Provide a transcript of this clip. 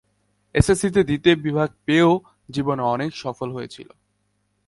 এইচএসসিতে দ্বিতীয় বিভাগ পেয়েও জীবনে অনেকে সফল হয়েছিল।